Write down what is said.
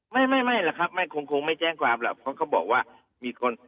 ไม่ไม่หรอกครับไม่คงคงไม่แจ้งความหรอกเพราะเขาบอกว่ามีคน